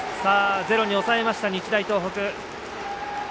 ゼロに抑えました、日大東北。